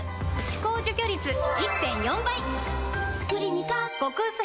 歯垢除去率 １．４ 倍！